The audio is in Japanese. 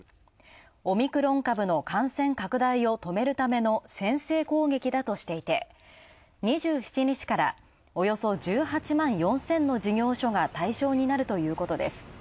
オミクロン株の感染拡大を止めるための先制攻撃だとしていて、２７日からおよそ１８万４０００の事業所が対象になるということです。